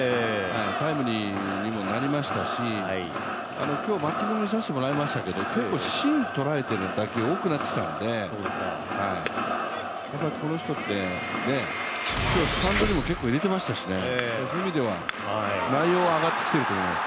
タイムリーにもなりましたし今日、バッティング見させてもらいましたけど結構芯を捉えている打球多くなってきたので、この人ってスタンドにも今日、結構入れてましたしね、内容は上がってきているとは思います